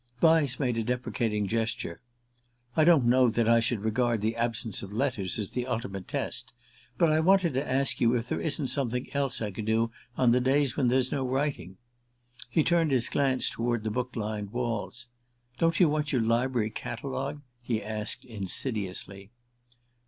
Vyse made a deprecating gesture. "I don't know that I should regard the absence of letters as the ultimate test. But I wanted to ask you if there isn't something else I can do on the days when there's no writing." He turned his glance toward the book lined walls. "Don't you want your library catalogued?" he asked insidiously.